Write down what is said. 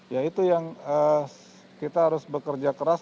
ya itu yang kita harus bekerja keras